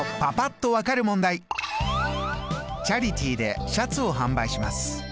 チャリティーでシャツを販売します。